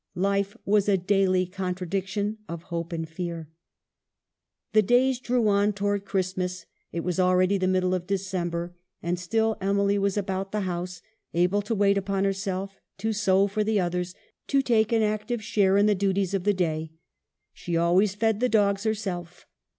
Life was a daily contradiction of hope and fear. The days drew on towards Christmas ; it was already the middle* of December, and still Emily was about the house, able to wait upon herself, to sew for the others, to take an active share in the duties of the day. She always fed the dogs herself.